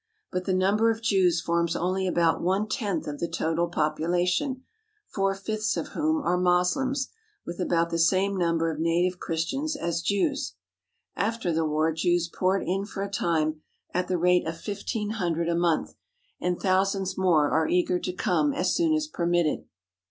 But the number of Jews forms only about one tenth of the total population, four fifths of whom are Moslems, with about the same number of native Christians as Jews. After the war Jews poured in for a time at the rate of fifteen 197 THE HOLY LAND AND SYRIA hundred a month, and thousands more are eager to come as soon as permitted.